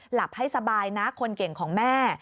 หลับให้สบายนะคนเก่งของแม่